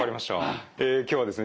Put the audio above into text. え今日はですね